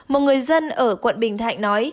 một người dân ở quận bình thạnh nói